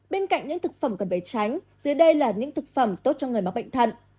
bên cạnh những thực phẩm cần bẩy tránh dưới đây là những thực phẩm tốt cho người mắc bệnh thận